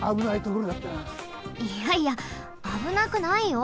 いやいやあぶなくないよ。